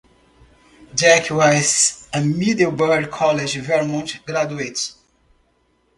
Jackie was a Middlebury College, Vermont graduate.